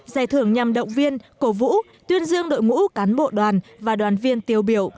giải thưởng nhằm động viên cổ vũ tuyên dương đội ngũ cán bộ đoàn và đoàn viên tiêu biểu